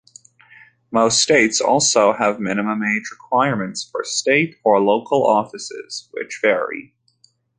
Most states also have minimum age requirements for state or local offices, which vary.